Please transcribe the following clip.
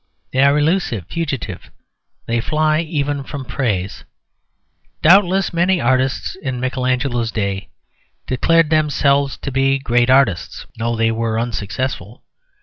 They are elusive, fugitive; they fly even from praise. Doubtless many artists in Michelangelo's day declared themselves to be great artists, although they were unsuccessful.